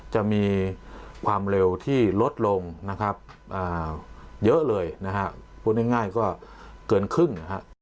จะมีความเร็วที่ลดลงเยอะเลยพูดง่ายก็เกินครึ่ง